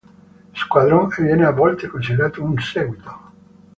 Squadron" e viene a volte considerato un seguito.